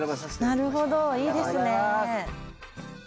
なるほどいいですね。